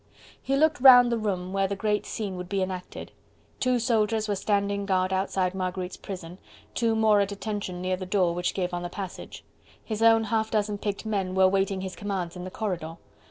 He looked round the room where the great scene would be enacted: two soldiers were standing guard outside Marguerite's prison, two more at attention near the door which gave on the passage: his own half dozen picked men were waiting his commands in the corridor.